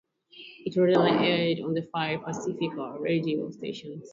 It originally aired on five Pacifica Radio stations.